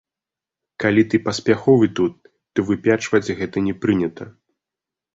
Калі ты паспяховы тут, то выпячваць гэта не прынята.